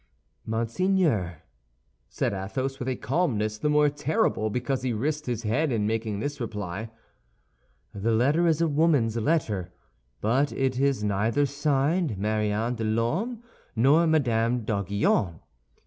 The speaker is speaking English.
"Monseigneur," said Athos, with a calmness the more terrible because he risked his head in making this reply, "the letter is a woman's letter, but it is neither signed Marion de Lorme, nor Madame d'Aiguillon."